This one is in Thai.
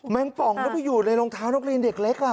แมงป่องก็ไม่อยู่ในรองเท้านอกเลียนเด็กเล็ก